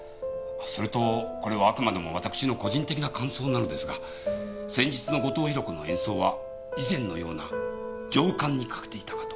それとこれはあくまでもわたくしの個人的な感想なのですが先日の後藤宏子の演奏は以前のような情感に欠けていたかと。